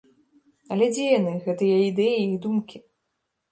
Але дзе яны, гэтыя ідэі і думкі?